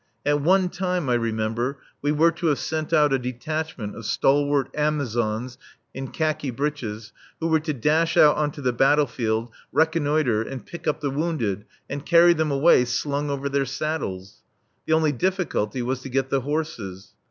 At one time, I remember, we were to have sent out a detachment of stalwart Amazons in khaki breeches who were to dash out on to the battle field, reconnoitre, and pick up the wounded and carry them away slung over their saddles. The only difficulty was to get the horses.